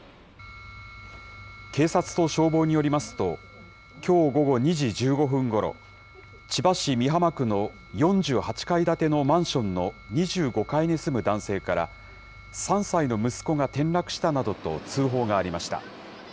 警察と消防によりますと、きょう午後２時１５分ごろ、千葉市美浜区の４８階建てのマンションの２５階に住む男性から、３歳の息子が転落したなどと通報がありました。